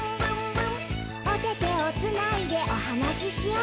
「おててをつないでおはなししよう」